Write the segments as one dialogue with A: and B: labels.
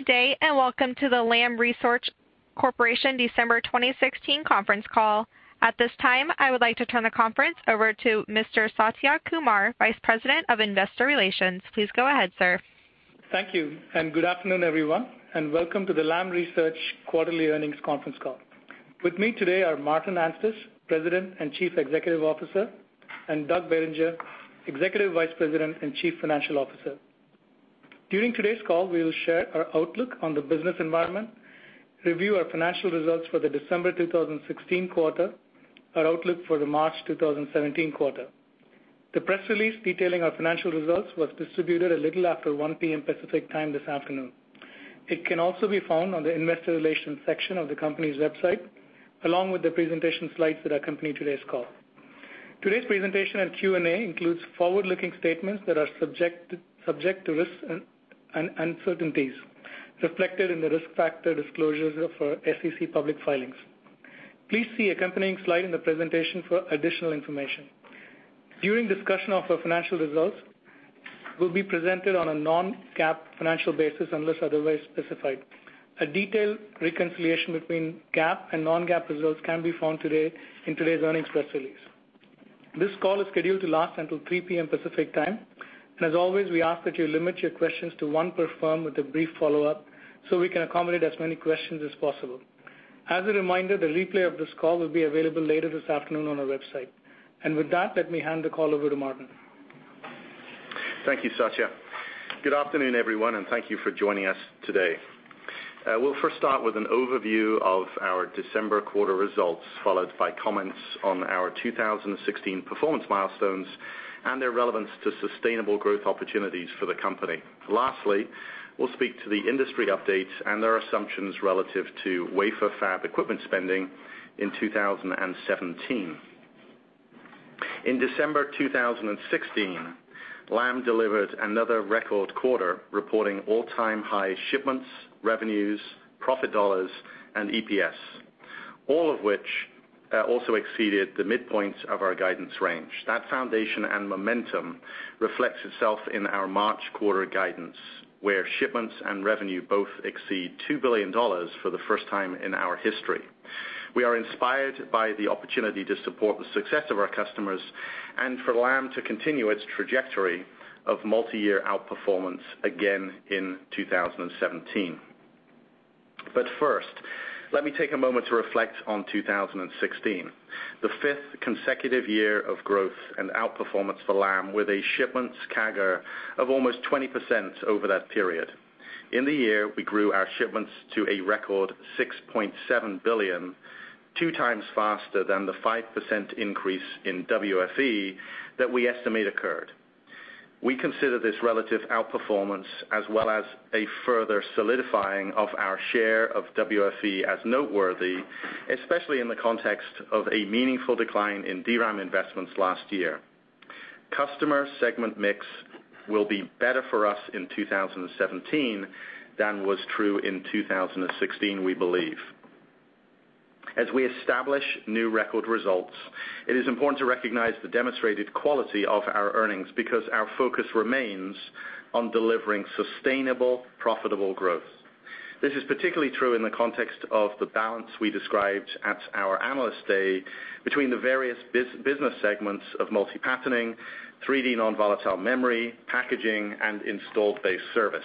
A: Good day, welcome to the Lam Research Corporation December 2016 conference call. At this time, I would like to turn the conference over to Mr. Satya Kumar, Vice President of Investor Relations. Please go ahead, sir.
B: Thank you, good afternoon, everyone, and welcome to the Lam Research quarterly earnings conference call. With me today are Martin Anstice, President and Chief Executive Officer, and Doug Bettinger, Executive Vice President and Chief Financial Officer. During today's call, we will share our outlook on the business environment, review our financial results for the December 2016 quarter, our outlook for the March 2017 quarter. The press release detailing our financial results was distributed a little after 1:00 P.M. Pacific Time this afternoon. It can also be found on the investor relations section of the company's website, along with the presentation slides that accompany today's call. Today's presentation and Q&A includes forward-looking statements that are subject to risks and uncertainties reflected in the risk factor disclosures of our SEC public filings. Please see accompanying slide in the presentation for additional information. During discussion of our financial results, we'll be presented on a non-GAAP financial basis unless otherwise specified. A detailed reconciliation between GAAP and non-GAAP results can be found today in today's earnings press release. This call is scheduled to last until 3:00 P.M. Pacific Time, as always, we ask that you limit your questions to one per firm with a brief follow-up so we can accommodate as many questions as possible. As a reminder, the replay of this call will be available later this afternoon on our website. With that, let me hand the call over to Martin.
C: Thank you, Satya. Good afternoon, everyone, thank you for joining us today. We'll first start with an overview of our December quarter results, followed by comments on our 2016 performance milestones and their relevance to sustainable growth opportunities for the company. Lastly, we'll speak to the industry updates and their assumptions relative to wafer fab equipment spending in 2017. In December 2016, Lam delivered another record quarter, reporting all-time high shipments, revenues, profit dollars and EPS, all of which also exceeded the midpoints of our guidance range. That foundation and momentum reflects itself in our March quarter guidance, where shipments and revenue both exceed $2 billion for the first time in our history. We are inspired by the opportunity to support the success of our customers and for Lam to continue its trajectory of multi-year outperformance again in 2017. First, let me take a moment to reflect on 2016, the fifth consecutive year of growth and outperformance for Lam, with a shipments CAGR of almost 20% over that period. In the year, we grew our shipments to a record $6.7 billion, two times faster than the 5% increase in WFE that we estimate occurred. We consider this relative outperformance as well as a further solidifying of our share of WFE as noteworthy, especially in the context of a meaningful decline in DRAM investments last year. Customer segment mix will be better for us in 2017 than was true in 2016, we believe. As we establish new record results, it is important to recognize the demonstrated quality of our earnings because our focus remains on delivering sustainable, profitable growth. This is particularly true in the context of the balance we described at our Analyst Day between the various business segments of multi-patterning, 3D non-volatile memory, packaging, and installed base service.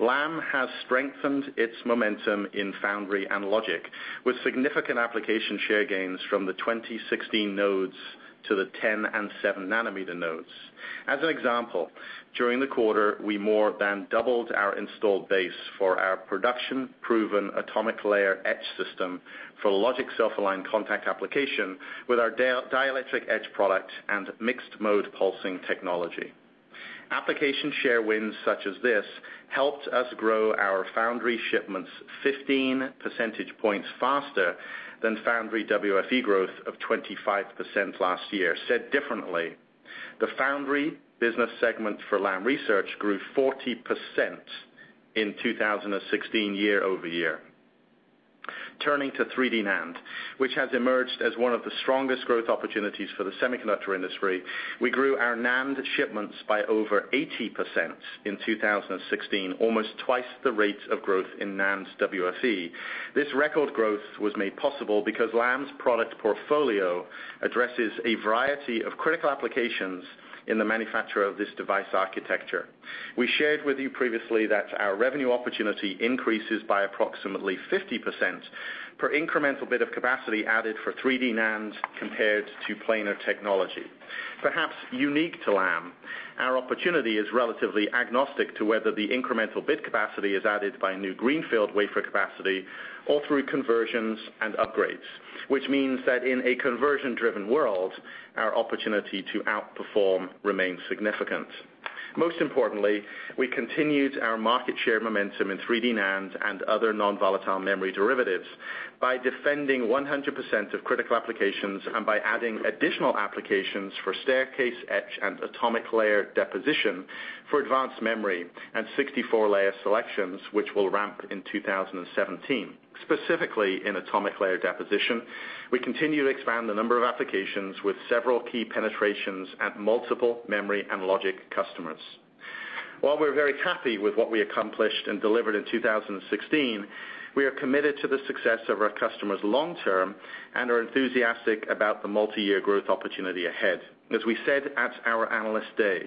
C: Lam has strengthened its momentum in foundry and logic, with significant application share gains from the 2016 nodes to the 10 and 7 nanometer nodes. As an example, during the quarter, we more than doubled our installed base for our production-proven atomic layer etch system for logic self-aligned contact application with our dielectric etch product and mixed-mode pulsing technology. Application share wins such as this helped us grow our foundry shipments 15 percentage points faster than foundry WFE growth of 25% last year. Said differently, the foundry business segment for Lam Research grew 40% in 2016 year-over-year. Turning to 3D NAND, which has emerged as one of the strongest growth opportunities for the semiconductor industry, we grew our NAND shipments by over 80% in 2016, almost twice the rate of growth in NAND's WFE. This record growth was made possible because Lam's product portfolio addresses a variety of critical applications in the manufacture of this device architecture. We shared with you previously that our revenue opportunity increases by approximately 50% per incremental bit of capacity added for 3D NAND compared to planar technology. Perhaps unique to Lam, our opportunity is relatively agnostic to whether the incremental bit capacity is added by new greenfield wafer capacity or through conversions and upgrades, which means that in a conversion-driven world, our opportunity to outperform remains significant. Most importantly, we continued our market share momentum in 3D NAND and other non-volatile memory derivatives by defending 100% of critical applications and by adding additional applications for staircase etch and atomic layer deposition for advanced memory and 64-layer selections, which will ramp in 2017. Specifically, in atomic layer deposition, we continue to expand the number of applications with several key penetrations at multiple memory and logic customers. While we're very happy with what we accomplished and delivered in 2016, we are committed to the success of our customers long-term and are enthusiastic about the multi-year growth opportunity ahead. As we said at our Analyst Day,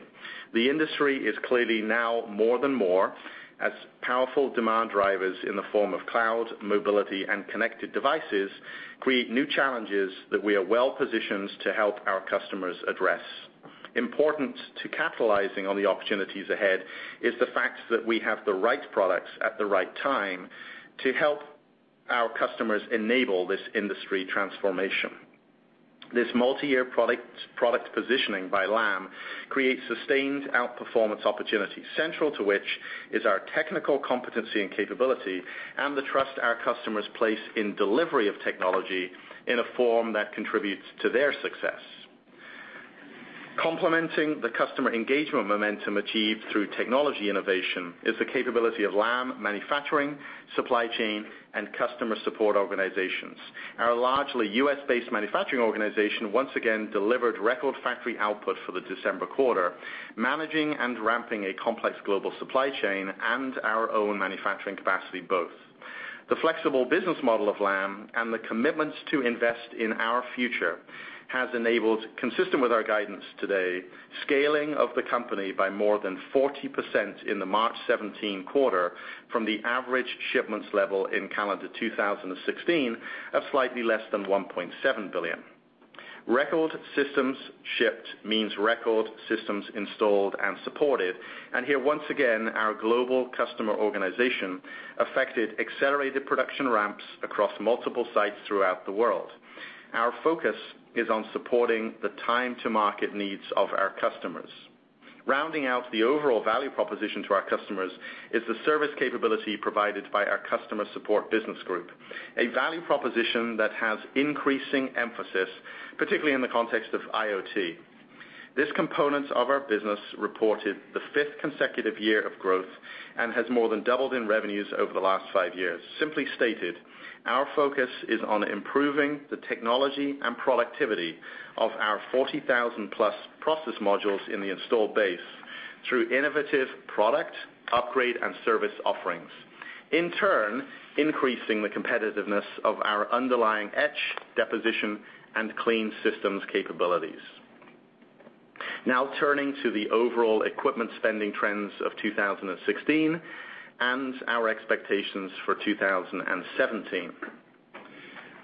C: the industry is clearly now more than more as powerful demand drivers in the form of cloud, mobility, and connected devices create new challenges that we are well-positioned to help our customers address. Important to capitalizing on the opportunities ahead is the fact that we have the right products at the right time to help our customers enable this industry transformation. This multi-year product positioning by Lam creates sustained outperformance opportunities, central to which is our technical competency and capability and the trust our customers place in delivery of technology in a form that contributes to their success. Complementing the customer engagement momentum achieved through technology innovation is the capability of Lam manufacturing, supply chain, and customer support organizations. Our largely U.S.-based manufacturing organization once again delivered record factory output for the December quarter, managing and ramping a complex global supply chain and our own manufacturing capacity both. The flexible business model of Lam and the commitments to invest in our future has enabled, consistent with our guidance today, scaling of the company by more than 40% in the March 2017 quarter from the average shipments level in calendar 2016 of slightly less than $1.7 billion. Record systems shipped means record systems installed and supported, and here, once again, our global customer organization affected accelerated production ramps across multiple sites throughout the world. Our focus is on supporting the time-to-market needs of our customers. Rounding out the overall value proposition to our customers is the service capability provided by our customer support business group, a value proposition that has increasing emphasis, particularly in the context of IoT. This component of our business reported the fifth consecutive year of growth and has more than doubled in revenues over the last five years. Simply stated, our focus is on improving the technology and productivity of our 40,000-plus process modules in the installed base through innovative product, upgrade, and service offerings. In turn, increasing the competitiveness of our underlying etch, deposition, and clean systems capabilities. Turning to the overall equipment spending trends of 2016 and our expectations for 2017.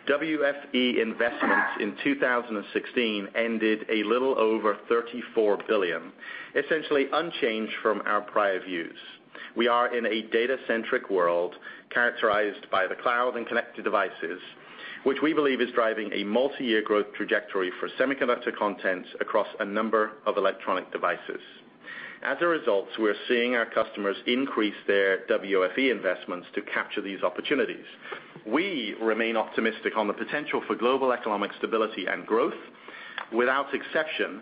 C: WFE investments in 2016 ended a little over $34 billion, essentially unchanged from our prior views. We are in a data-centric world characterized by the cloud and connected devices, which we believe is driving a multi-year growth trajectory for semiconductor content across a number of electronic devices. As a result, we are seeing our customers increase their WFE investments to capture these opportunities. We remain optimistic on the potential for global economic stability and growth. Without exception,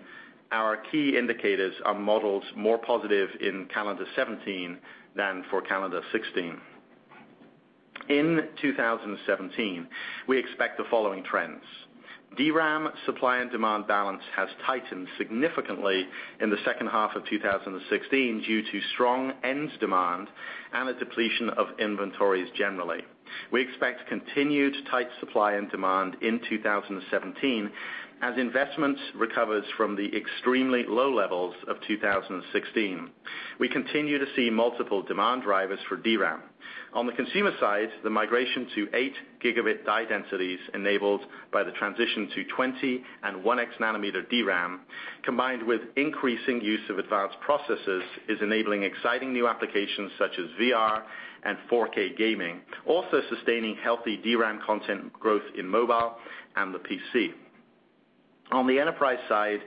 C: our key indicators are models more positive in calendar 2017 than for calendar 2016. In 2017, we expect the following trends. DRAM supply and demand balance has tightened significantly in the second half of 2016 due to strong end demand and a depletion of inventories generally. We expect continued tight supply and demand in 2017 as investment recovers from the extremely low levels of 2016. We continue to see multiple demand drivers for DRAM. On the consumer side, the migration to eight gigabit die densities enabled by the transition to 20 and 1X nanometer DRAM, combined with increasing use of advanced processes, is enabling exciting new applications such as VR and 4K gaming, also sustaining healthy DRAM content growth in mobile and the PC. On the enterprise side,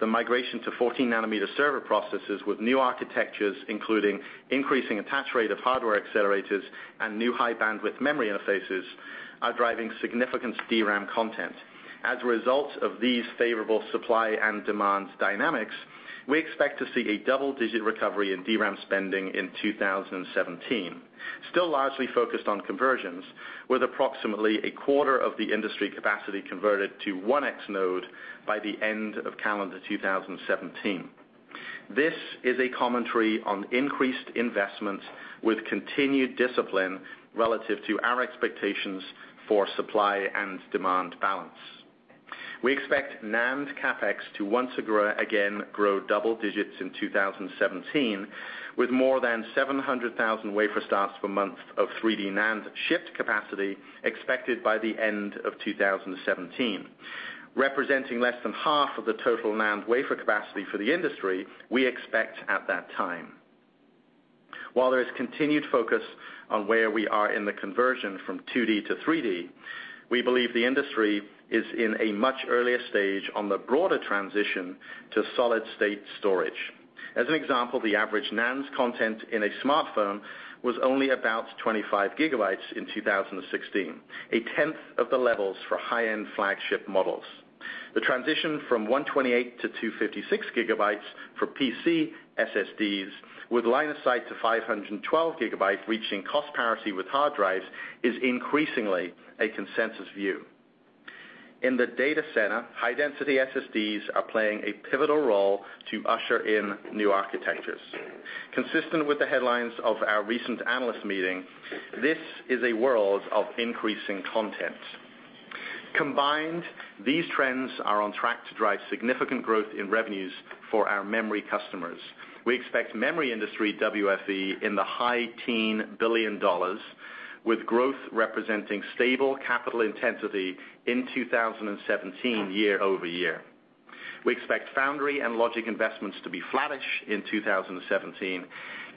C: the migration to 14 nanometer server processes with new architectures, including increasing attach rate of hardware accelerators and new high-bandwidth memory interfaces, are driving significant DRAM content. As a result of these favorable supply and demand dynamics, we expect to see a double-digit recovery in DRAM spending in 2017. Still largely focused on conversions, with approximately a quarter of the industry capacity converted to 1X node by the end of calendar 2017. This is a commentary on increased investment with continued discipline relative to our expectations for supply and demand balance. We expect NAND CapEx to once again grow double digits in 2017, with more than 700,000 wafer starts per month of 3D NAND shipped capacity expected by the end of 2017, representing less than half of the total NAND wafer capacity for the industry we expect at that time. While there is continued focus on where we are in the conversion from 2D to 3D, we believe the industry is in a much earlier stage on the broader transition to solid-state storage. As an example, the average NAND content in a smartphone was only about 25 gigabytes in 2016, a tenth of the levels for high-end flagship models. The transition from 128 to 256 gigabytes for PC SSDs with line of sight to 512 gigabytes reaching cost parity with hard drives is increasingly a consensus view. In the data center, high-density SSDs are playing a pivotal role to usher in new architectures. Consistent with the headlines of our recent analyst meeting, this is a world of increasing content. Combined, these trends are on track to drive significant growth in revenues for our memory customers. We expect memory industry WFE in the high teen billion dollars, with growth representing stable capital intensity in 2017 year-over-year. We expect foundry and logic investments to be flattish in 2017,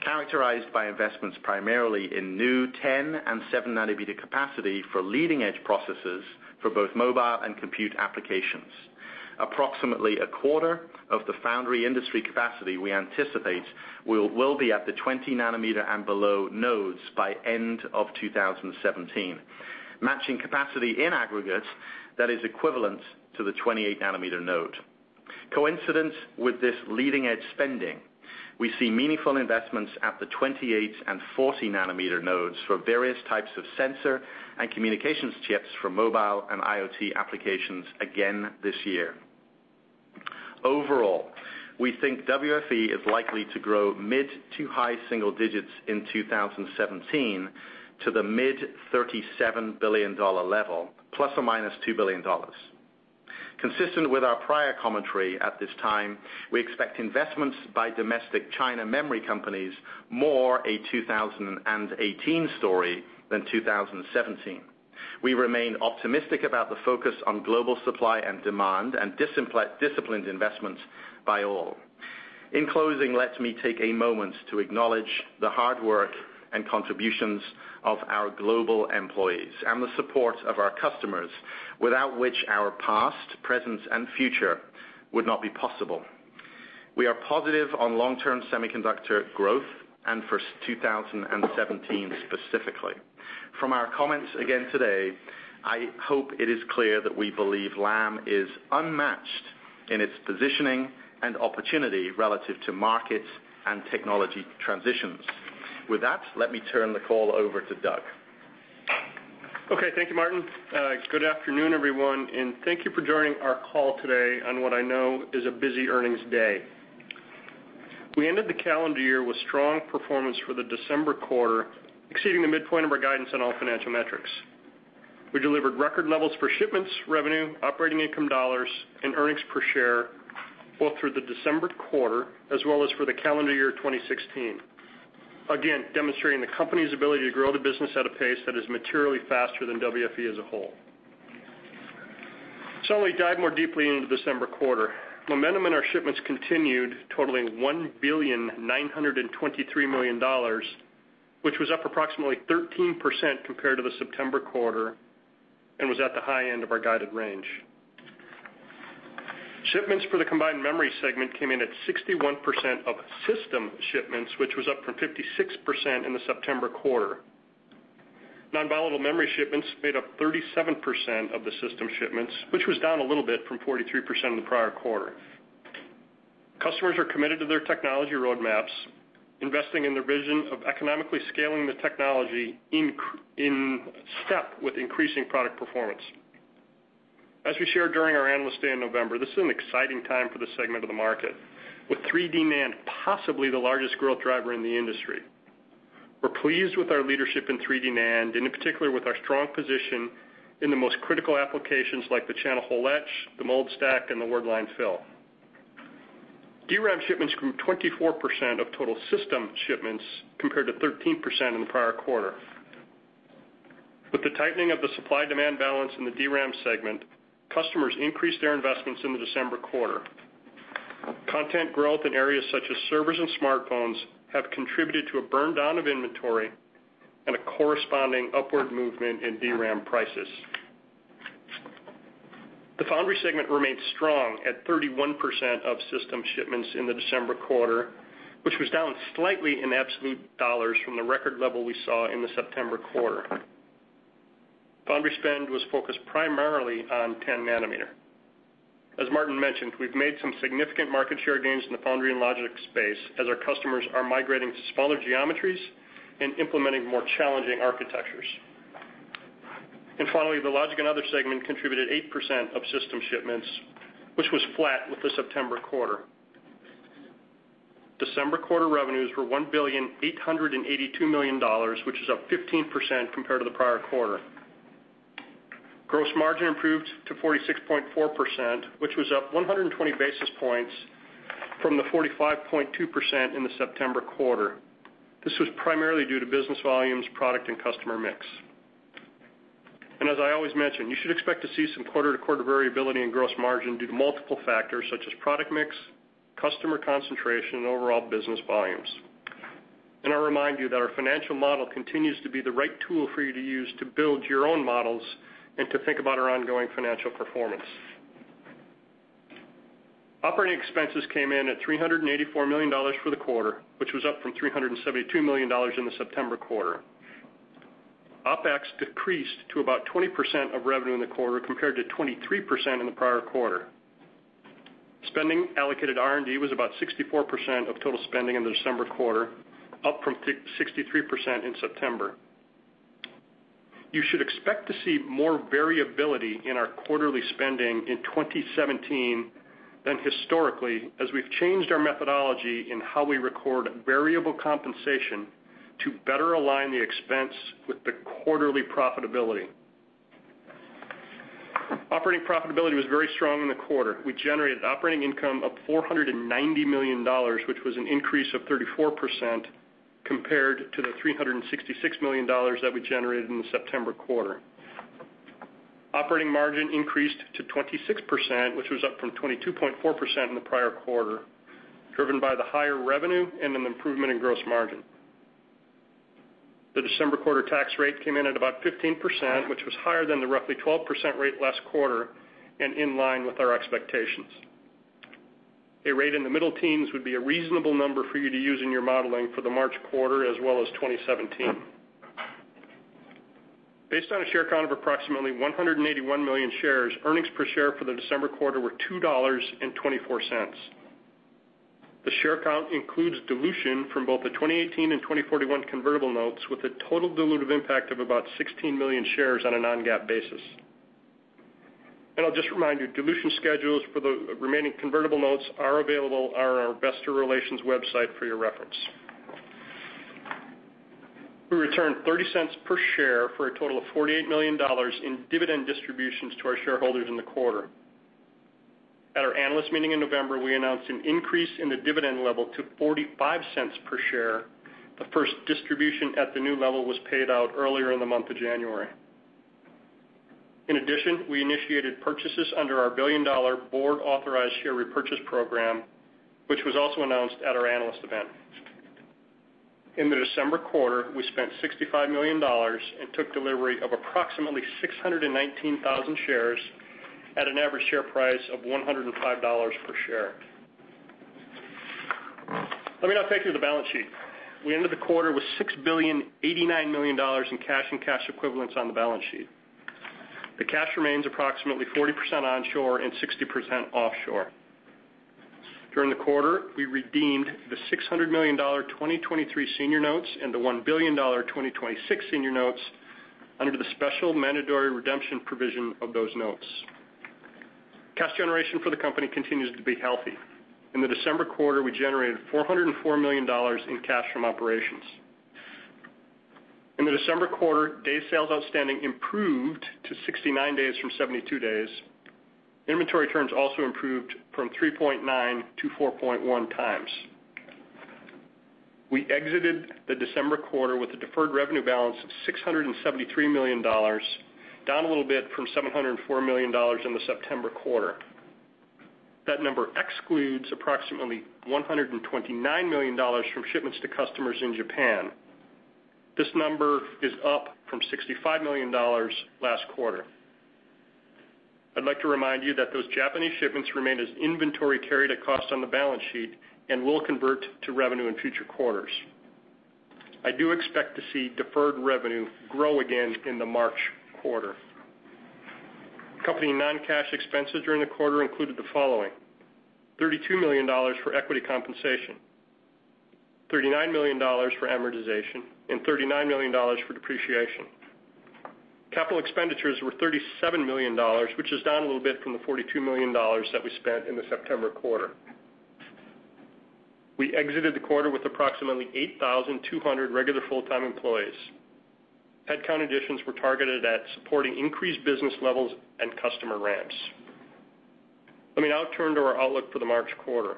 C: characterized by investments primarily in new 10 and 7 nanometer capacity for leading-edge processes for both mobile and compute applications. Approximately a quarter of the foundry industry capacity we anticipate will be at the 20 nanometer and below nodes by end of 2017, matching capacity in aggregate that is equivalent to the 28 nanometer node. Coincidence with this leading-edge spending, we see meaningful investments at the 28 and 40 nanometer nodes for various types of sensor and communications chips for mobile and IoT applications again this year. Overall, we think WFE is likely to grow mid- to high single digits in 2017 to the mid-$37 billion level, ±$2 billion. Consistent with our prior commentary, at this time, we expect investments by domestic China memory companies more a 2018 story than 2017. We remain optimistic about the focus on global supply and demand and disciplined investments by all. In closing, let me take a moment to acknowledge the hard work and contributions of our global employees and the support of our customers, without which our past, present, and future would not be possible. We are positive on long-term semiconductor growth and for 2017 specifically. From our comments again today, I hope it is clear that we believe Lam is unmatched in its positioning and opportunity relative to markets and technology transitions. With that, let me turn the call over to Doug.
D: Thank you, Martin. Good afternoon, everyone, and thank you for joining our call today on what I know is a busy earnings day. We ended the calendar year with strong performance for the December quarter, exceeding the midpoint of our guidance on all financial metrics. We delivered record levels for shipments, revenue, operating income dollars, and earnings per share, both through the December quarter as well as for the calendar year 2016. Again, demonstrating the company's ability to grow the business at a pace that is materially faster than WFE as a whole. Let me dive more deeply into the December quarter. Momentum in our shipments continued, totaling $1,923,000,000, which was up approximately 13% compared to the September quarter and was at the high end of our guided range. Shipments for the combined memory segment came in at 61% of system shipments, which was up from 56% in the September quarter. Non-volatile memory shipments made up 37% of the system shipments, which was down a little bit from 43% in the prior quarter. Customers are committed to their technology roadmaps, investing in their vision of economically scaling the technology in step with increasing product performance. As we shared during our Analyst Day in November, this is an exciting time for this segment of the market, with 3D NAND possibly the largest growth driver in the industry. We are pleased with our leadership in 3D NAND, and in particular, with our strong position in the most critical applications like the channel hole etch, the mold stack, and the word line fill. DRAM shipments grew 24% of total system shipments compared to 13% in the prior quarter. With the tightening of the supply-demand balance in the DRAM segment, customers increased their investments in the December quarter. Content growth in areas such as servers and smartphones have contributed to a burn-down of inventory and a corresponding upward movement in DRAM prices. The foundry segment remained strong at 31% of system shipments in the December quarter, which was down slightly in absolute dollars from the record level we saw in the September quarter. Foundry spend was focused primarily on 10 nanometer. As Martin mentioned, we have made some significant market share gains in the foundry and logic space as our customers are migrating to smaller geometries and implementing more challenging architectures. Finally, the logic and other segment contributed 8% of system shipments, which was flat with the September quarter. December quarter revenues were $1,882,000,000, which is up 15% compared to the prior quarter. Gross margin improved to 46.4%, which was up 120 basis points from the 45.2% in the September quarter. This was primarily due to business volumes, product, and customer mix. As I always mention, you should expect to see some quarter-to-quarter variability in gross margin due to multiple factors such as product mix, customer concentration, and overall business volumes. I remind you that our financial model continues to be the right tool for you to use to build your own models and to think about our ongoing financial performance. Operating expenses came in at $384 million for the quarter, which was up from $372 million in the September quarter. OpEx decreased to about 20% of revenue in the quarter compared to 23% in the prior quarter. Spending allocated to R&D was about 64% of total spending in the December quarter, up from 63% in September. You should expect to see more variability in our quarterly spending in 2017 than historically, as we've changed our methodology in how we record variable compensation to better align the expense with the quarterly profitability. Operating profitability was very strong in the quarter. We generated operating income of $490 million, which was an increase of 34% compared to the $366 million that we generated in the September quarter. Operating margin increased to 26%, which was up from 22.4% in the prior quarter, driven by the higher revenue and an improvement in gross margin. The December quarter tax rate came in at about 15%, which was higher than the roughly 12% rate last quarter and in line with our expectations. A rate in the middle teens would be a reasonable number for you to use in your modeling for the March quarter, as well as 2017. Based on a share count of approximately 181 million shares, earnings per share for the December quarter were $2.24. The share count includes dilution from both the 2018 and 2041 convertible notes, with a total dilutive impact of about 16 million shares on a non-GAAP basis. I'll just remind you, dilution schedules for the remaining convertible notes are available on our investor relations website for your reference. We returned $0.30 per share for a total of $48 million in dividend distributions to our shareholders in the quarter. At our analyst meeting in November, we announced an increase in the dividend level to $0.45 per share. The first distribution at the new level was paid out earlier in the month of January. In addition, we initiated purchases under our billion-dollar board-authorized share repurchase program, which was also announced at our analyst event. In the December quarter, we spent $65 million and took delivery of approximately 619,000 shares at an average share price of $105 per share. Let me now take you to the balance sheet. We ended the quarter with $6,089,000,000 in cash and cash equivalents on the balance sheet. The cash remains approximately 40% onshore and 60% offshore. During the quarter, we redeemed the $600 million 2023 senior notes and the $1 billion 2026 senior notes under the special mandatory redemption provision of those notes. Cash generation for the company continues to be healthy. In the December quarter, we generated $404 million in cash from operations. In the December quarter, day sales outstanding improved to 69 days from 72 days. Inventory turns also improved from 3.9 to 4.1 times. We exited the December quarter with a deferred revenue balance of $673 million, down a little bit from $704 million in the September quarter. That number excludes approximately $129 million from shipments to customers in Japan. This number is up from $65 million last quarter. I'd like to remind you that those Japanese shipments remain as inventory carried at cost on the balance sheet and will convert to revenue in future quarters. I do expect to see deferred revenue grow again in the March quarter. Company non-cash expenses during the quarter included the following: $32 million for equity compensation, $39 million for amortization, and $39 million for depreciation. Capital expenditures were $37 million, which is down a little bit from the $42 million that we spent in the September quarter. We exited the quarter with approximately 8,200 regular full-time employees. Headcount additions were targeted at supporting increased business levels and customer ramps. Let me now turn to our outlook for the March quarter.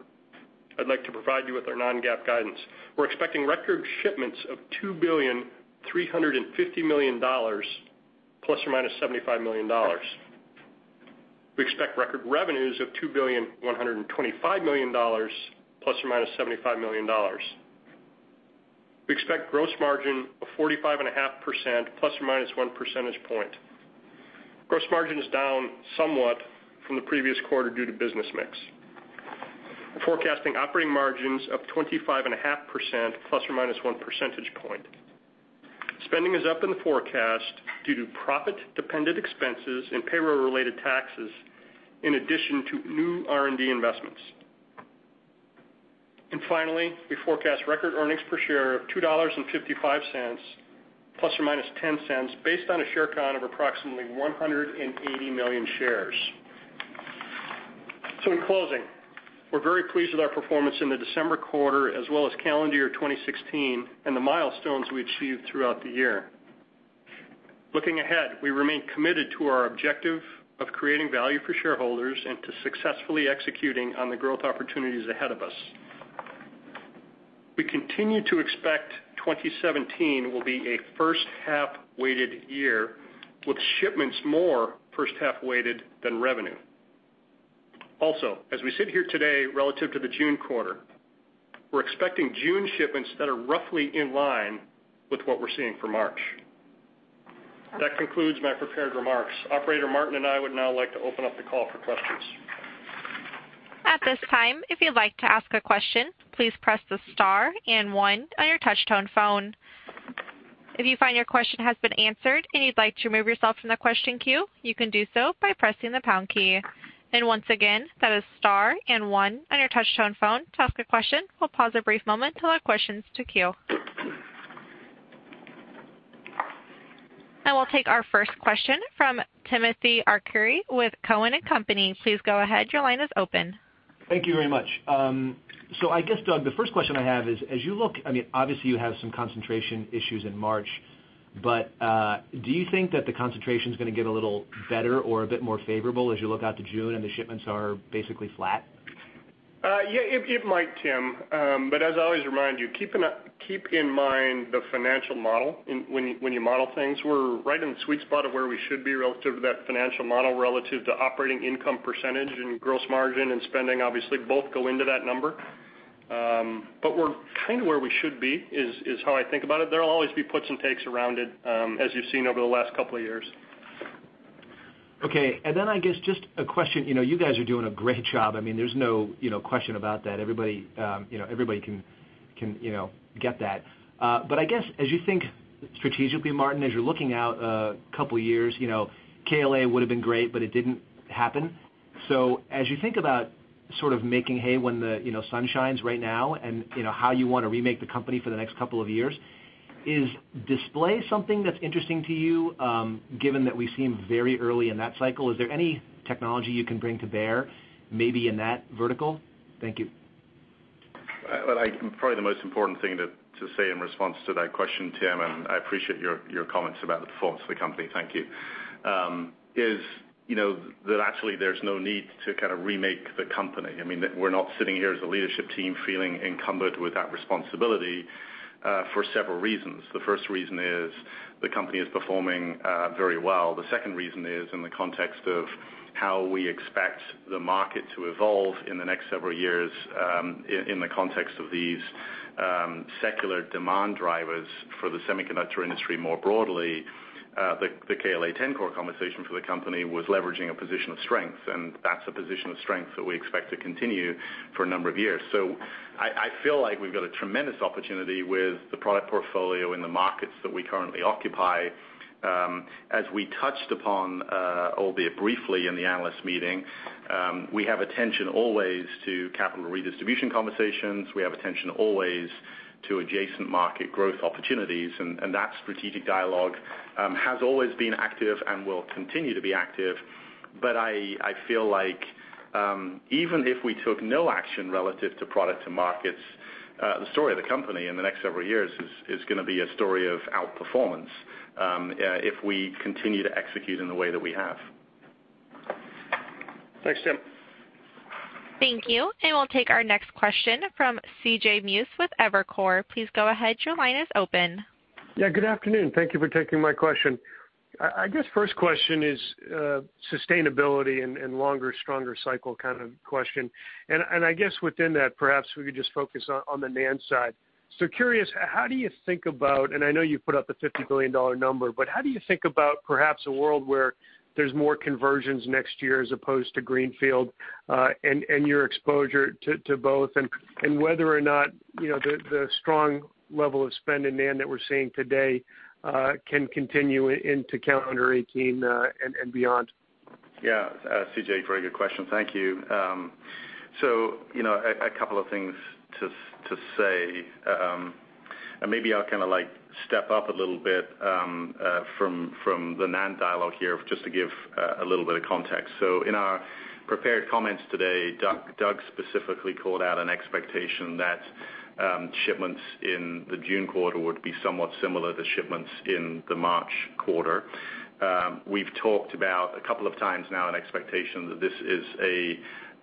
D: I'd like to provide you with our non-GAAP guidance. We're expecting record shipments of $2.35 billion, ±$75 million. We expect record revenues of $2.125 billion, ±$75 million. We expect gross margin of 45.5%, ±one percentage point. Gross margin is down somewhat from the previous quarter due to business mix. We're forecasting operating margins of 25.5%, ±one percentage point. Spending is up in the forecast due to profit-dependent expenses and payroll-related taxes, in addition to new R&D investments. Finally, we forecast record earnings per share of $2.55, ±$0.10, based on a share count of approximately 180 million shares. In closing, we're very pleased with our performance in the December quarter as well as calendar year 2016 and the milestones we achieved throughout the year. Looking ahead, we remain committed to our objective of creating value for shareholders and to successfully executing on the growth opportunities ahead of us. We continue to expect 2017 will be a first-half-weighted year, with shipments more first-half-weighted than revenue. Also, as we sit here today relative to the June quarter, we're expecting June shipments that are roughly in line with what we're seeing for March. That concludes my prepared remarks. Operator, Martin and I would now like to open up the call for questions.
A: At this time, if you'd like to ask a question, please press the star and one on your touch-tone phone. If you find your question has been answered and you'd like to remove yourself from the question queue, you can do so by pressing the pound key. Once again, that is star and one on your touch-tone phone to ask a question. We'll pause a brief moment to allow questions to queue. Now we'll take our first question from Timothy Arcuri with Cowen and Company. Please go ahead. Your line is open.
E: Thank you very much. I guess, Doug, the first question I have is, as you look, obviously you have some concentration issues in March, do you think that the concentration's going to get a little better or a bit more favorable as you look out to June and the shipments are basically flat?
D: Yeah, it might, Tim. As I always remind you, keep in mind the financial model when you model things. We're right in the sweet spot of where we should be relative to that financial model, relative to operating income percentage and gross margin and spending, obviously, both go into that number. We're kind of where we should be, is how I think about it. There'll always be puts and takes around it, as you've seen over the last couple of years.
E: Okay. I guess just a question, you guys are doing a great job. There's no question about that. Everybody can get that. I guess as you think strategically, Martin, as you're looking out a couple of years, KLA-Tencor would've been great, but it didn't happen. As you think about sort of making hay when the sun shines right now, and how you want to remake the company for the next couple of years, is display something that's interesting to you, given that we seem very early in that cycle? Is there any technology you can bring to bear maybe in that vertical? Thank you.
C: Well, probably the most important thing to say in response to that question, Tim, and I appreciate your comments about the performance of the company, thank you, is that actually there's no need to kind of remake the company. We're not sitting here as a leadership team feeling encumbered with that responsibility, for several reasons. The first reason is the company is performing very well. The second reason is in the context of how we expect the market to evolve in the next several years, in the context of these secular demand drivers for the semiconductor industry more broadly, the KLA-Tencor conversation for the company was leveraging a position of strength, and that's a position of strength that we expect to continue for a number of years. I feel like we've got a tremendous opportunity with the product portfolio in the markets that we currently occupy. As we touched upon, albeit briefly, in the analyst meeting, we have attention always to capital redistribution conversations, we have attention always to adjacent market growth opportunities, and that strategic dialogue has always been active and will continue to be active. I feel like, even if we took no action relative to product and markets, the story of the company in the next several years is going to be a story of outperformance, if we continue to execute in the way that we have.
D: Thanks, Tim.
A: Thank you. We'll take our next question from C.J. Muse with Evercore. Please go ahead. Your line is open.
F: Yeah, good afternoon. Thank you for taking my question. I guess first question is sustainability and longer, stronger cycle kind of question. I guess within that, perhaps we could just focus on the NAND side. Curious, how do you think about, I know you put up the $50 billion number, but how do you think about perhaps a world where there's more conversions next year as opposed to greenfield, and your exposure to both, and whether or not the strong level of spend in NAND that we're seeing today can continue into calendar 2018, and beyond?
C: Yeah. CJ, very good question. Thank you. A couple of things to say, maybe I'll kind of step up a little bit from the NAND dialogue here, just to give a little bit of context. In our prepared comments today, Doug specifically called out an expectation that shipments in the June quarter would be somewhat similar to shipments in the March quarter. We've talked about a couple of times now an expectation that this is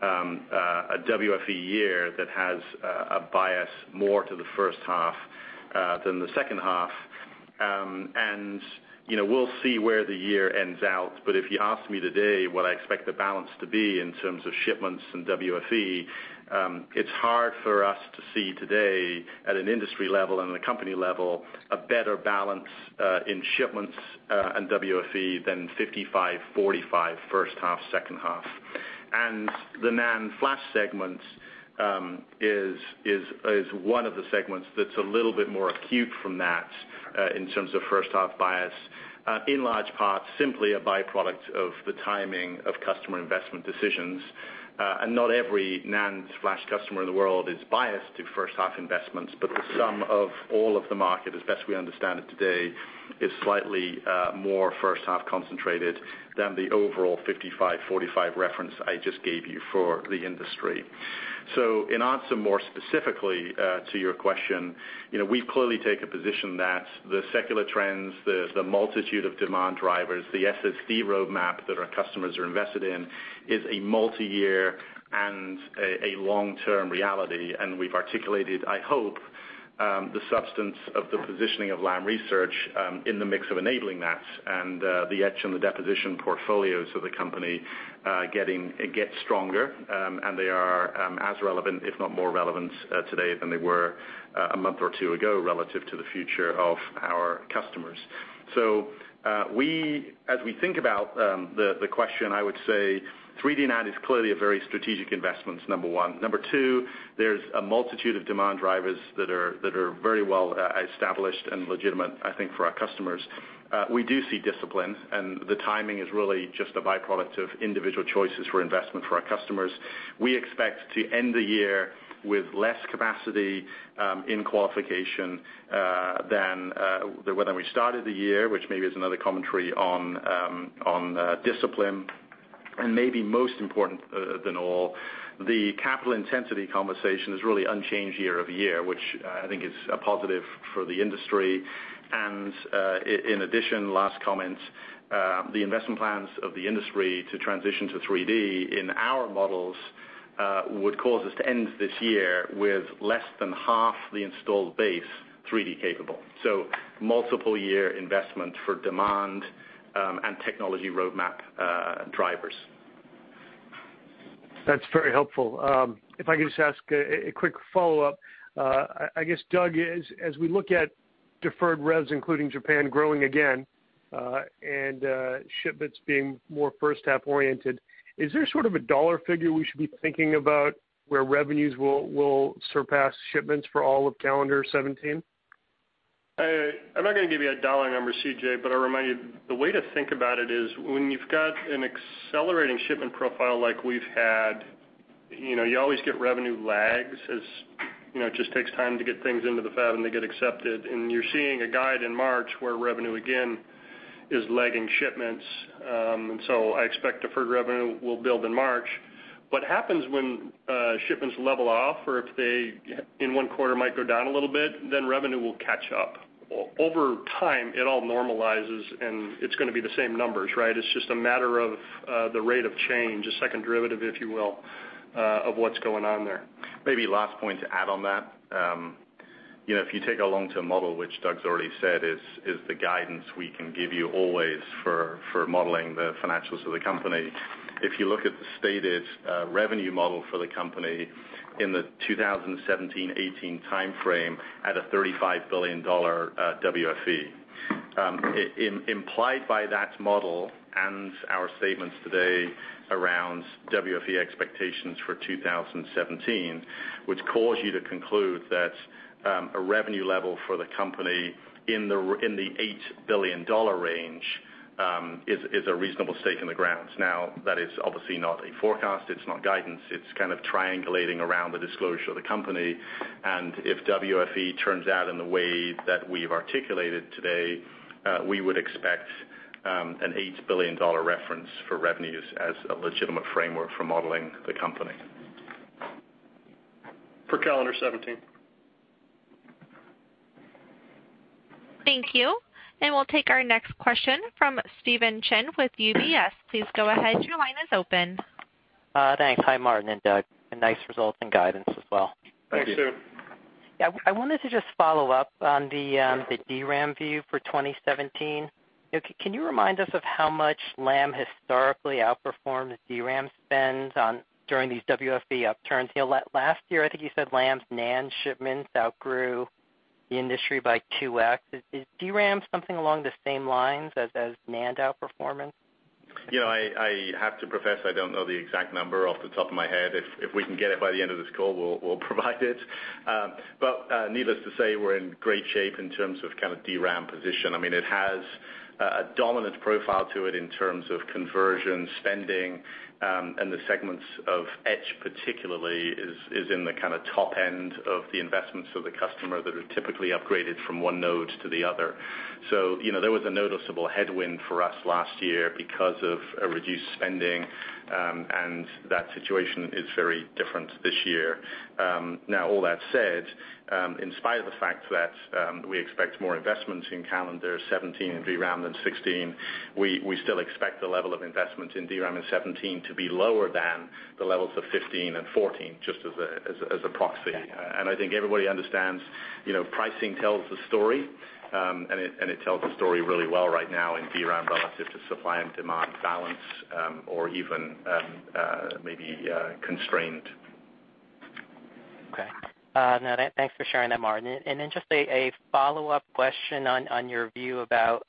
C: a WFE year that has a bias more to the first half, than the second half. We'll see where the year ends out, but if you ask me today what I expect the balance to be in terms of shipments and WFE, it's hard for us to see today at an industry level and a company level, a better balance in shipments and WFE than 55/45 first half/second half. The NAND flash segment is one of the segments that's a little bit more acute from that in terms of first-half bias, in large part, simply a byproduct of the timing of customer investment decisions. Not every NAND flash customer in the world is biased to first-half investments, but the sum of all of the market, as best we understand it today, is slightly more first-half concentrated than the overall 55/45 reference I just gave you for the industry. In answer more specifically to your question, we clearly take a position that the secular trends, the multitude of demand drivers, the SSD roadmap that our customers are invested in, is a multi-year and a long-term reality, and we've articulated, I hope, the substance of the positioning of Lam Research in the mix of enabling that and the etch and the deposition portfolios of the company get stronger, and they are as relevant, if not more relevant today than they were a month or two ago relative to the future of our customers. As we think about the question, I would say 3D NAND is clearly a very strategic investment, number one. Number two, there's a multitude of demand drivers that are very well established and legitimate, I think, for our customers. We do see discipline, the timing is really just a byproduct of individual choices for investment for our customers. We expect to end the year with less capacity in qualification than when we started the year, which maybe is another commentary on discipline. Maybe most important than all, the capital intensity conversation is really unchanged year-over-year, which I think is a positive for the industry. In addition, last comment, the investment plans of the industry to transition to 3D in our models would cause us to end this year with less than half the installed base 3D capable. Multiple year investment for demand and technology roadmap drivers.
F: That's very helpful. If I could just ask a quick follow-up. I guess, Doug, as we look at deferred revs, including Japan growing again, and shipments being more first-half oriented, is there sort of a $ figure we should be thinking about where revenues will surpass shipments for all of calendar 2017?
D: I'm not going to give you a dollar number, C.J., but I'll remind you, the way to think about it is when you've got an accelerating shipment profile like we've had, you always get revenue lags as it just takes time to get things into the fab and they get accepted. You're seeing a guide in March where revenue again is lagging shipments. I expect deferred revenue will build in March. What happens when shipments level off or if they, in one quarter might go down a little bit, then revenue will catch up. Over time, it all normalizes, and it's going to be the same numbers, right? It's just a matter of the rate of change, a second derivative, if you will, of what's going on there.
C: Maybe last point to add on that. If you take a long-term model, which Doug's already said is the guidance we can give you always for modeling the financials of the company. If you look at the stated revenue model for the company in the 2017-18 timeframe at a $35 billion WFE. Implied by that model and our statements today around WFE expectations for 2017, which cause you to conclude that a revenue level for the company in the $8 billion range is a reasonable stake in the ground. That is obviously not a forecast, it's not guidance, it's kind of triangulating around the disclosure of the company, and if WFE turns out in the way that we've articulated today, we would expect an $8 billion reference for revenues as a legitimate framework for modeling the company.
D: For calendar 2017.
A: Thank you. We'll take our next question from Stephen Chin with UBS. Please go ahead, your line is open.
G: Thanks. Hi, Martin and Doug. Nice results and guidance as well.
D: Thanks, Stephen.
C: Thank you.
G: I wanted to just follow up on the DRAM view for 2017. Can you remind us of how much Lam historically outperformed DRAM spend during these WFE upturns? Last year, I think you said Lam's NAND shipments outgrew the industry by 2X. Is DRAM something along the same lines as NAND outperformance?
C: I have to profess, I don't know the exact number off the top of my head. If we can get it by the end of this call, we'll provide it. Needless to say, we're in great shape in terms of kind of DRAM position. It has a dominant profile to it in terms of conversion, spending, and the segments of etch particularly is in the kind of top end of the investments of the customer that are typically upgraded from one node to the other. There was a noticeable headwind for us last year because of a reduced spending, and that situation is very different this year. All that said, in spite of the fact that we expect more investments in calendar 2017 in DRAM than 2016, we still expect the level of investment in DRAM in 2017 to be lower than the levels of 2015 and 2014, just as a proxy.
G: Yeah.
C: I think everybody understands, pricing tells the story, and it tells the story really well right now in DRAM relative to supply and demand balance or even maybe constraint.
G: Okay. No, thanks for sharing that, Martin. Just a follow-up question on your view about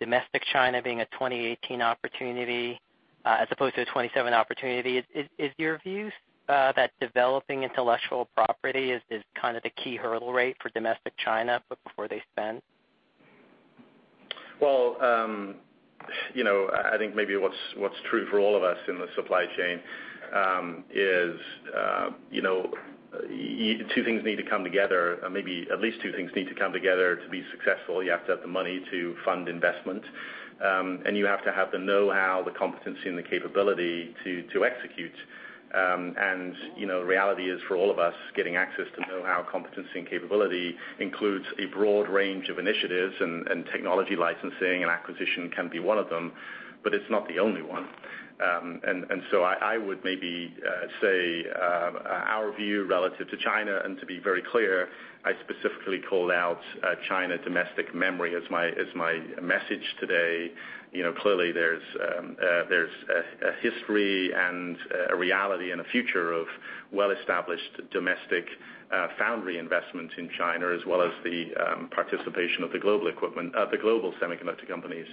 G: domestic China being a 2018 opportunity as opposed to a 2027 opportunity. Is your view that developing intellectual property is kind of the key hurdle rate for domestic China before they spend?
C: I think maybe what's true for all of us in the supply chain is two things need to come together, maybe at least two things need to come together to be successful. You have to have the money to fund investment, and you have to have the knowhow, the competency, and the capability to execute. The reality is for all of us, getting access to knowhow, competency, and capability includes a broad range of initiatives, and technology licensing and acquisition can be one of them, but it's not the only one. So I would maybe say our view relative to China, and to be very clear, I specifically called out China domestic memory as my message today. Clearly, there's a history and a reality and a future of well-established domestic foundry investment in China, as well as the participation of the global semiconductor companies.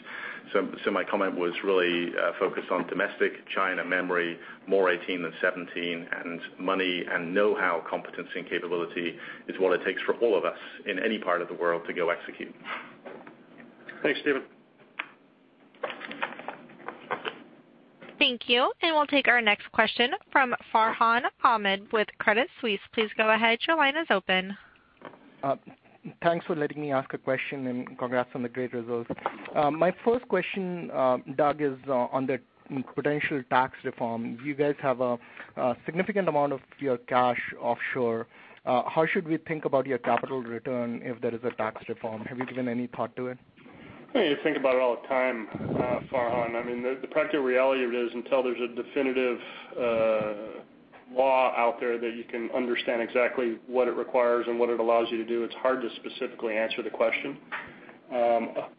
C: My comment was really focused on domestic China memory, more 2018 than 2017, and money and know-how, competence, and capability is what it takes for all of us in any part of the world to go execute.
D: Thanks, Stephen.
A: Thank you. We'll take our next question from Farhan Ahmad with Credit Suisse. Please go ahead. Your line is open.
H: Thanks for letting me ask a question, and congrats on the great results. My first question, Doug, is on the potential tax reform. You guys have a significant amount of your cash offshore. How should we think about your capital return if there is a tax reform? Have you given any thought to it?
D: Yeah, you think about it all the time, Farhan. The practical reality of it is, until there's a definitive law out there that you can understand exactly what it requires and what it allows you to do, it's hard to specifically answer the question.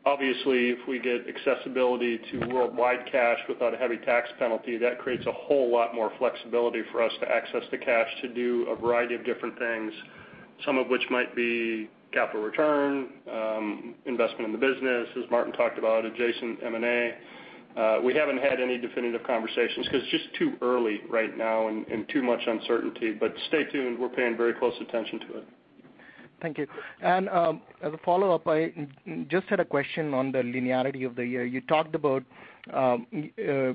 D: Obviously, if we get accessibility to worldwide cash without a heavy tax penalty, that creates a whole lot more flexibility for us to access the cash to do a variety of different things, some of which might be capital return, investment in the business, as Martin talked about, adjacent M&A. We haven't had any definitive conversations because it's just too early right now and too much uncertainty. Stay tuned. We're paying very close attention to it.
H: Thank you. As a follow-up, I just had a question on the linearity of the year. You talked about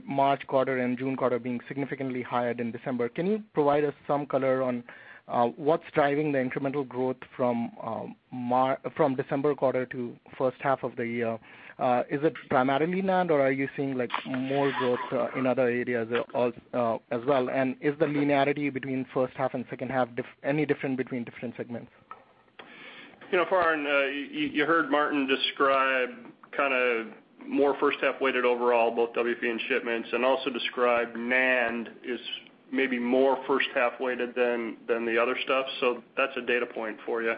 H: March quarter and June quarter being significantly higher than December. Can you provide us some color on what's driving the incremental growth from December quarter to first half of the year? Is it primarily NAND, or are you seeing more growth in other areas as well? Is the linearity between first half and second half any different between different segments?
D: Farhan, you heard Martin describe more first half-weighted overall, both WFE and shipments, and also describe NAND is maybe more first half-weighted than the other stuff. That's a data point for you.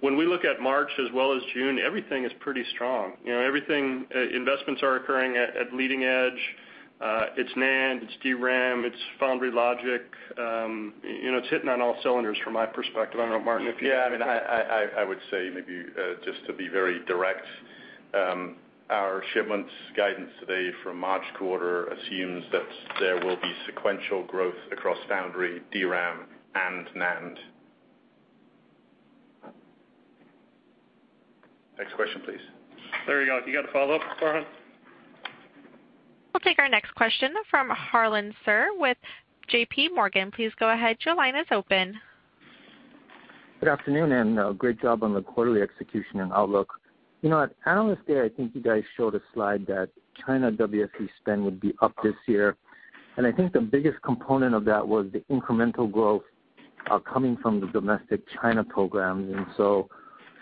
D: When we look at March as well as June, everything is pretty strong. Investments are occurring at leading edge. It's NAND, it's DRAM, it's foundry logic. It's hitting on all cylinders from my perspective. I don't know, Martin, if you-
C: Yeah, I would say maybe, just to be very direct, our shipments guidance today from March quarter assumes that there will be sequential growth across foundry, DRAM, and NAND. Next question, please.
D: There you go. You got a follow-up, Farhan?
A: We'll take our next question from Harlan Sur with J.P. Morgan. Please go ahead. Your line is open.
I: Good afternoon, great job on the quarterly execution and outlook. At Analyst Day, I think you guys showed a slide that China WFE spend would be up this year, I think the biggest component of that was the incremental growth coming from the domestic China programs.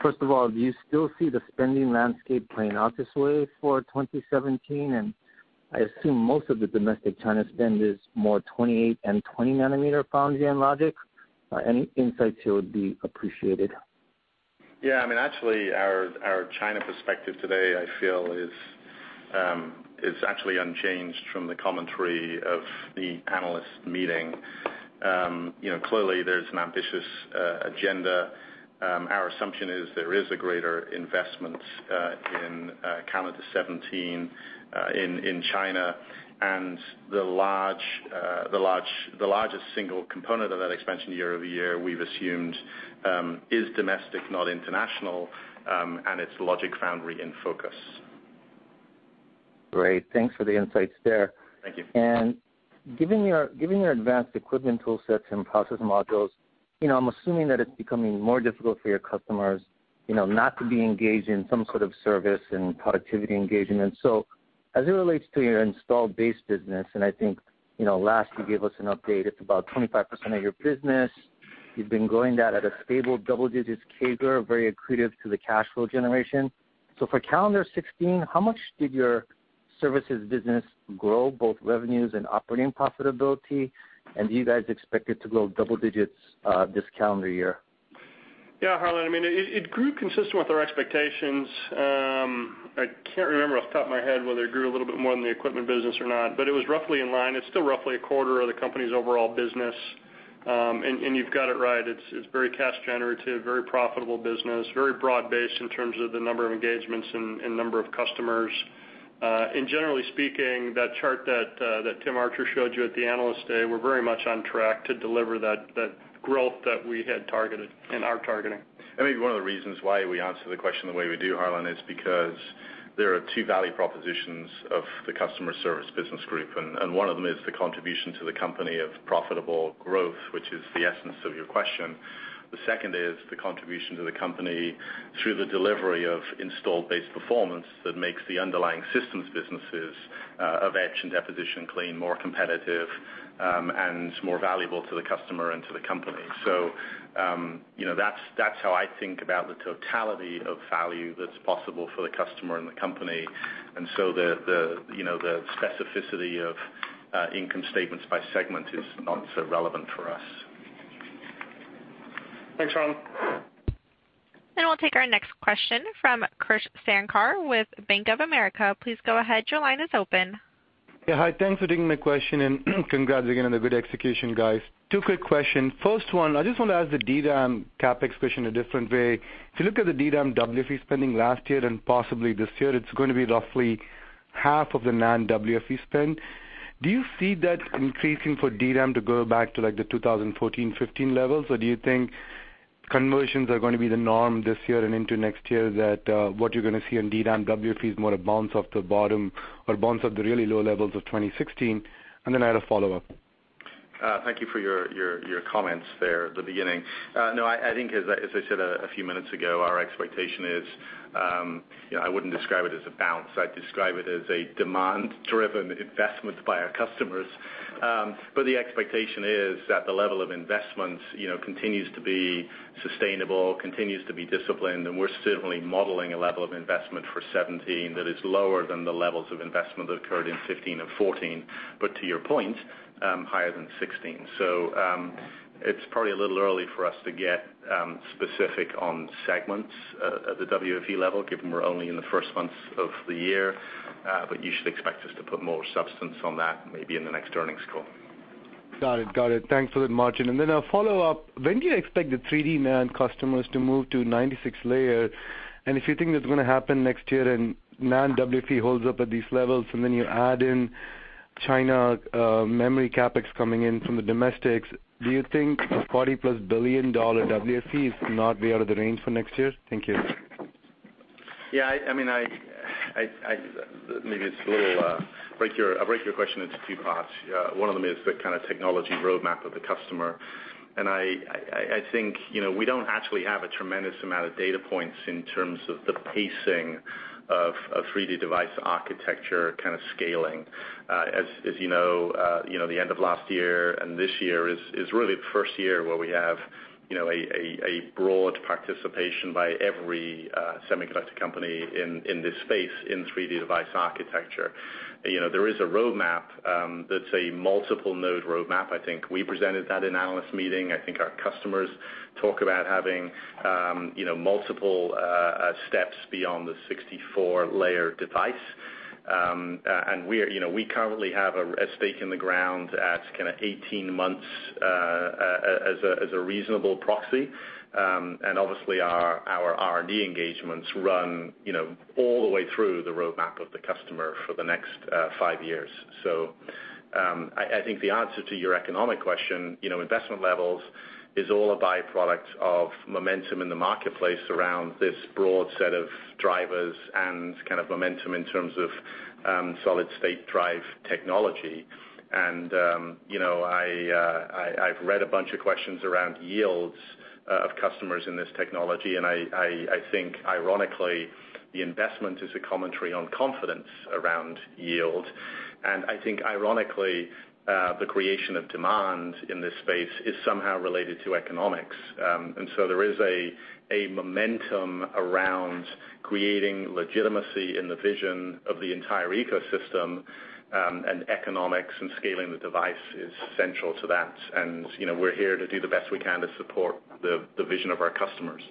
I: First of all, do you still see the spending landscape playing out this way for 2017? I assume most of the domestic China spend is more 28 and 20 nanometer foundry and logic. Any insights here would be appreciated.
C: Yeah. Actually, our China perspective today, I feel, is actually unchanged from the commentary of the analyst meeting. Clearly, there's an ambitious agenda. Our assumption is there is a greater investment in calendar 2017 in China, and the largest single component of that expansion year-over-year, we've assumed, is domestic, not international, and it's logic foundry in focus.
I: Great. Thanks for the insights there.
C: Thank you.
I: Given your advanced equipment tool sets and process modules, I'm assuming that it's becoming more difficult for your customers not to be engaged in some sort of service and productivity engagement. As it relates to your installed base business, and I think last you gave us an update, it's about 25% of your business. You've been growing that at a stable double-digits CAGR, very accretive to the cash flow generation. For calendar 2016, how much did your services business grow, both revenues and operating profitability? Do you guys expect it to grow double digits this calendar year?
D: Yeah, Harlan, it grew consistent with our expectations. I can't remember off the top of my head whether it grew a little bit more than the equipment business or not, but it was roughly in line. It's still roughly a quarter of the company's overall business. You've got it right. It's very cash generative, very profitable business, very broad-based in terms of the number of engagements and number of customers. Generally speaking, that chart that Tim Archer showed you at the Analyst Day, we're very much on track to deliver that growth that we had targeted and are targeting.
C: I think one of the reasons why we answer the question the way we do, Harlan, is because there are two value propositions of the Customer Service Business Group, and one of them is the contribution to the company of profitable growth, which is the essence of your question. The second is the contribution to the company through the delivery of installed base performance that makes the underlying systems businesses of etch and deposition clean more competitive and more valuable to the customer and to the company. That's how I think about the totality of value that's possible for the customer and the company, the specificity of income statements by segment is not so relevant for us.
D: Thanks, Harlan.
A: We'll take our next question from Krish Sankar with Bank of America. Please go ahead. Your line is open.
J: Hi. Thanks for taking my question and congrats again on the good execution, guys. Two quick questions. First one, I just want to ask the DRAM CapEx question a different way. If you look at the DRAM WFE spending last year and possibly this year, it's going to be roughly half of the NAND WFE spend. Do you see that increasing for DRAM to go back to the 2014, 2015 levels, or do you think conversions are going to be the norm this year and into next year, that what you're going to see in DRAM WFE is more a bounce off the bottom or bounce off the really low levels of 2016? I had a follow-up.
C: Thank you for your comments there at the beginning. I think, as I said a few minutes ago, our expectation is, I wouldn't describe it as a bounce. I'd describe it as a demand-driven investment by our customers. The expectation is that the level of investment continues to be sustainable, continues to be disciplined, and we're certainly modeling a level of investment for 2017 that is lower than the levels of investment that occurred in 2015 and 2014, but to your point, higher than 2016. It's probably a little early for us to get specific on segments at the WFE level, given we're only in the first months of the year. You should expect us to put more substance on that maybe in the next earnings call.
J: Got it. Thanks for the margin. A follow-up, when do you expect the 3D NAND customers to move to 96-layer? If you think that's going to happen next year and NAND WFE holds up at these levels, you add in China memory CapEx coming in from the domestics, do you think a $40-plus billion WFE is not way out of the range for next year? Thank you.
C: Maybe I'll break your question into two parts. One of them is the kind of technology roadmap of the customer. I think, we don't actually have a tremendous amount of data points in terms of the pacing of 3D device architecture kind of scaling. As you know, the end of last year and this year is really the first year where we have a broad participation by every semiconductor company in this space, in 3D device architecture. There is a roadmap that's a multiple-node roadmap. I think we presented that in analyst meeting. I think our customers talk about having multiple steps beyond the 64-layer device. We currently have a stake in the ground at kind of 18 months as a reasonable proxy. Obviously, our R&D engagements run all the way through the roadmap of the customer for the next five years. I think the answer to your economic question, investment levels, is all a byproduct of momentum in the marketplace around this broad set of drivers and kind of momentum in terms of Solid-State Drive technology. I've read a bunch of questions around yields of customers in this technology, and I think ironically, the investment is a commentary on confidence around yield. I think ironically, the creation of demand in this space is somehow related to economics. There is a momentum around creating legitimacy in the vision of the entire ecosystem, and economics and scaling the device is central to that. We're here to do the best we can to support the vision of our customers.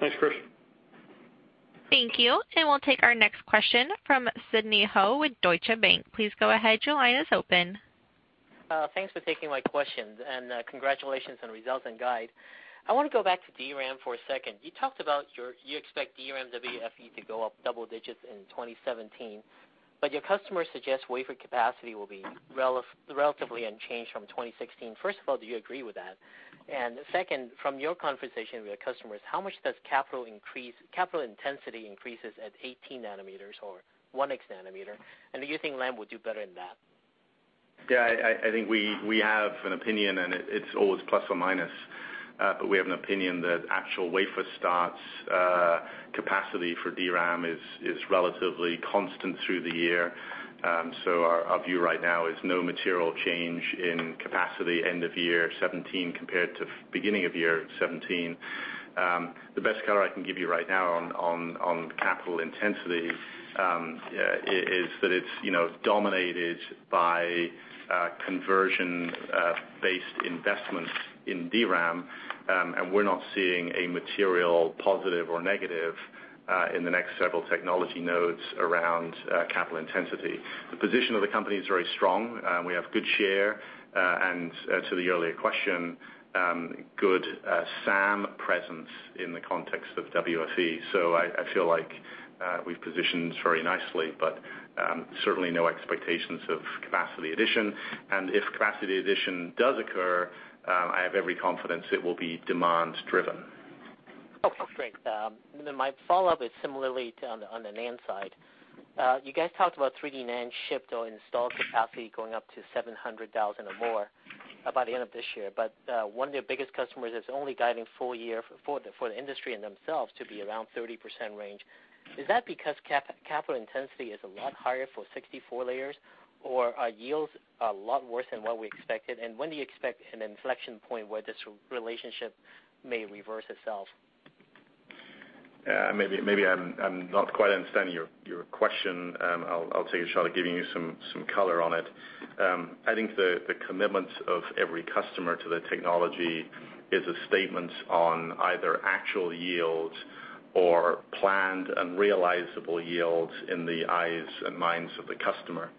D: Thanks, Krish.
A: Thank you. We'll take our next question from Sidney Ho with Deutsche Bank. Please go ahead, your line is open.
K: Thanks for taking my questions, and congratulations on the results and guide. I want to go back to DRAM for a second. You talked about you expect DRAM WFE to go up double-digits in 2017, but your customers suggest wafer capacity will be relatively unchanged from 2016. First of all, do you agree with that? Second, from your conversation with your customers, how much does capital intensity increases at 18 nanometers or 1X nanometer, and do you think Lam will do better than that?
C: I think we have an opinion, and it's always plus or minus, but we have an opinion that actual wafer starts capacity for DRAM is relatively constant through the year. Our view right now is no material change in capacity end of year 2017 compared to beginning of year 2017. The best color I can give you right now on capital intensity is that it's dominated by conversion-based investments in DRAM, and we're not seeing a material positive or negative in the next several technology nodes around capital intensity. The position of the company is very strong. We have good share, and to the earlier question, good SAM presence in the context of WFE. I feel like we've positioned very nicely, but certainly no expectations of capacity addition. If capacity addition does occur, I have every confidence it will be demand-driven.
K: Okay, great. My follow-up is similarly on the NAND side. You guys talked about 3D NAND shipped or installed capacity going up to 700,000 or more by the end of this year. One of your biggest customers is only guiding full year for the industry and themselves to be around 30% range. Is that because capital intensity is a lot higher for 64-layer, or are yields a lot worse than what we expected? When do you expect an inflection point where this relationship may reverse itself?
C: Maybe I'm not quite understanding your question. I'll take a shot at giving you some color on it. I think the commitment of every customer to the technology is a statement on either actual yields or planned and realizable yields in the eyes and minds of the customer.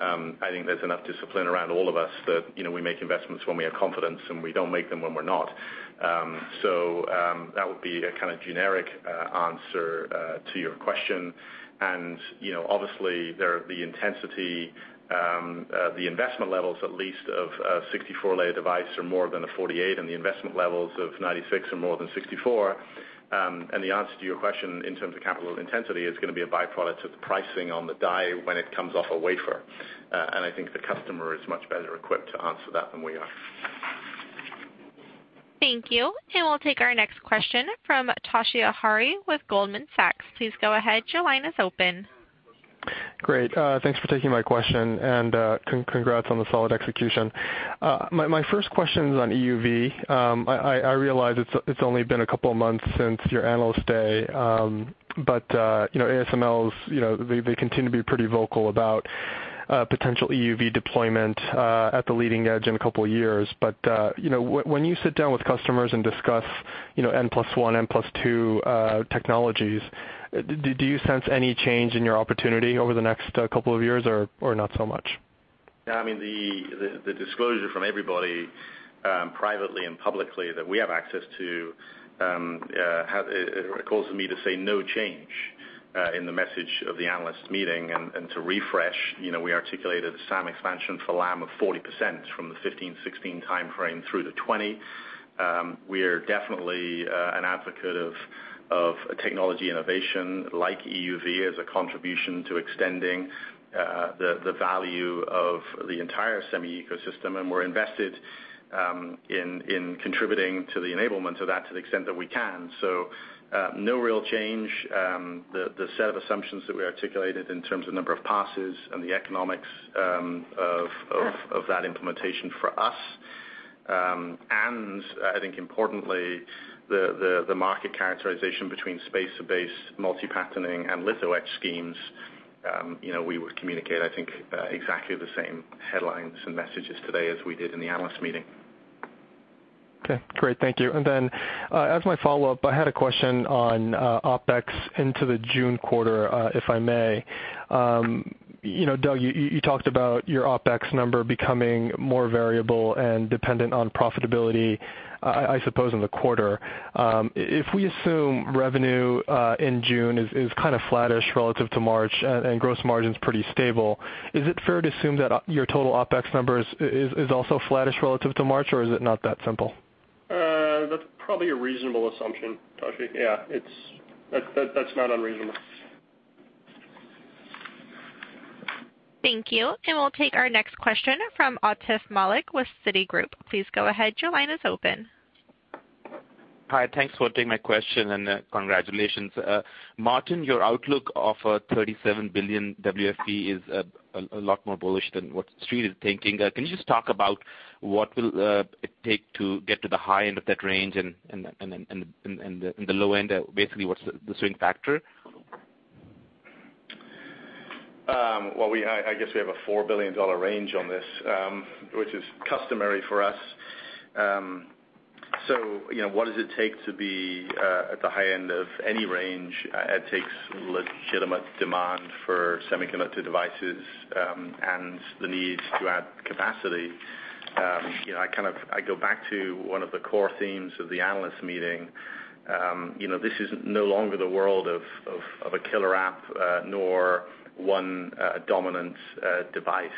C: I think there's enough discipline around all of us that we make investments when we have confidence, and we don't make them when we're not. That would be a kind of generic answer to your question. Obviously, the investment levels at least of a 64-layer device are more than a 48, and the investment levels of 96-layer are more than 64-layer. The answer to your question in terms of capital intensity is going to be a byproduct of the pricing on the die when it comes off a wafer. I think the customer is much better equipped to answer that than we are.
A: Thank you. We'll take our next question from Toshiya Hari with Goldman Sachs. Please go ahead. Your line is open.
L: Great. Thanks for taking my question, congrats on the solid execution. My first question is on EUV. I realize it's only been a couple of months since your Analyst Day, ASML, they continue to be pretty vocal about potential EUV deployment at the leading edge in a couple of years. When you sit down with customers and discuss N+1, N+2 technologies, do you sense any change in your opportunity over the next couple of years, or not so much?
C: The disclosure from everybody, privately and publicly, that we have access to causes me to say no change in the message of the Analyst Meeting. To refresh, we articulated a SAM expansion for Lam of 40% from the 2015, 2016 timeframe through to 2020. We are definitely an advocate of technology innovation like EUV as a contribution to extending the value of the entire semi ecosystem. We're invested in contributing to the enablement of that to the extent that we can. No real change. The set of assumptions that we articulated in terms of number of passes and the economics of that implementation for us, I think importantly, the market characterization between space-based multi-patterning and litho etch schemes, we would communicate, I think, exactly the same headlines and messages today as we did in the Analyst Meeting.
L: Great. Thank you. As my follow-up, I had a question on OpEx into the June quarter, if I may. Doug, you talked about your OpEx number becoming more variable and dependent on profitability, I suppose, in the quarter. If we assume revenue in June is kind of flattish relative to March and gross margin's pretty stable, is it fair to assume that your total OpEx number is also flattish relative to March, or is it not that simple?
D: That's probably a reasonable assumption, Toshiya. Yeah, that's not unreasonable.
A: Thank you. We'll take our next question from Atif Malik with Citigroup. Please go ahead. Your line is open.
M: Hi, thanks for taking my question, and congratulations. Martin, your outlook of a $37 billion WFE is a lot more bullish than what Street is thinking. Can you just talk about what will it take to get to the high end of that range and the low end, basically, what's the swing factor?
C: Well, I guess we have a $4 billion range on this, which is customary for us. What does it take to be at the high end of any range? It takes legitimate demand for semiconductor devices, and the need to add capacity. I go back to one of the core themes of the analyst meeting. This is no longer the world of a killer app, nor one dominant device.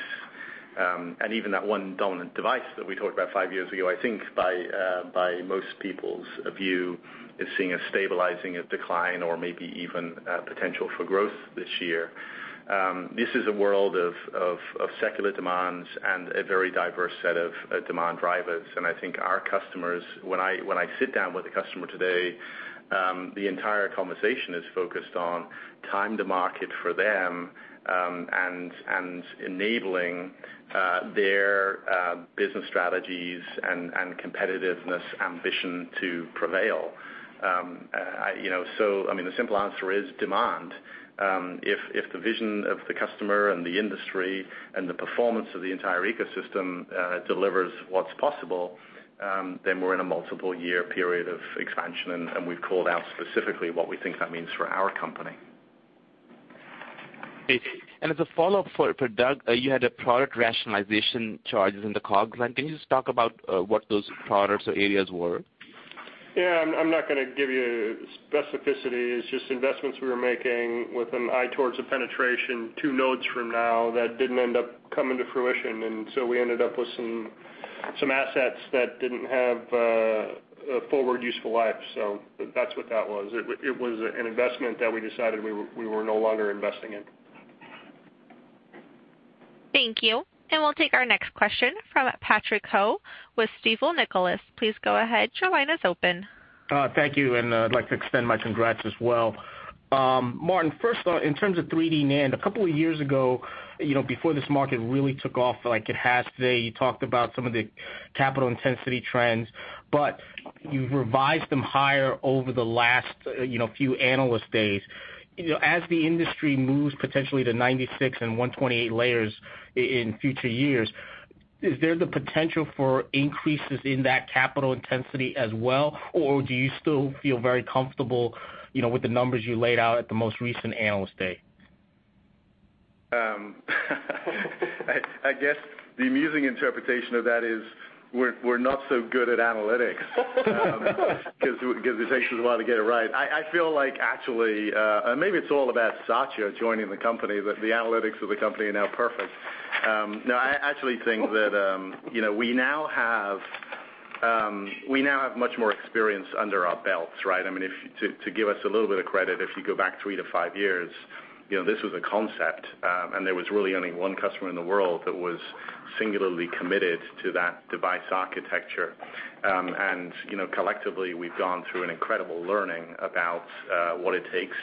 C: Even that one dominant device that we talked about five years ago, I think by most people's view, is seeing a stabilizing, a decline, or maybe even potential for growth this year. This is a world of secular demands and a very diverse set of demand drivers. I think our customers, when I sit down with a customer today, the entire conversation is focused on time to market for them, and enabling their business strategies and competitiveness ambition to prevail. The simple answer is demand. If the vision of the customer and the industry and the performance of the entire ecosystem delivers what's possible, then we're in a multiple year period of expansion, and we've called out specifically what we think that means for our company.
M: Okay. As a follow-up for Doug, you had product rationalization charges in the COGS line. Can you just talk about what those products or areas were?
D: I'm not going to give you specificity. It's just investments we were making with an eye towards a penetration two nodes from now that didn't end up coming to fruition. We ended up with some assets that didn't have a forward useful life. That's what that was. It was an investment that we decided we were no longer investing in.
A: Thank you. We'll take our next question from Patrick Ho with Stifel Nicolaus. Please go ahead. Your line is open.
N: Thank you, and I'd like to extend my congrats as well. Martin, first off, in terms of 3D NAND, a couple of years ago, before this market really took off like it has today, you talked about some of the capital intensity trends, but you've revised them higher over the last few Analyst Days. As the industry moves potentially to 96 and 128 layers in future years, is there the potential for increases in that capital intensity as well, or do you still feel very comfortable with the numbers you laid out at the most recent Analyst Day?
C: I guess the amusing interpretation of that is we're not so good at analytics, because it takes us a while to get it right. I feel like actually, maybe it's all about Satya joining the company, that the analytics of the company are now perfect. I actually think that we now have much more experience under our belts, right? To give us a little bit of credit, if you go back three to five years, this was a concept, and there was really only one customer in the world that was singularly committed to that device architecture. Collectively, we've gone through an incredible learning about what it takes